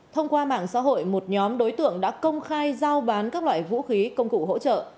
thông qua mạng xã hội một nhóm đối tượng đã công khai giao bán các loại vũ khí công cụ hỗ trợ